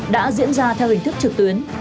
đã diễn ra theo hình thức trực tuyến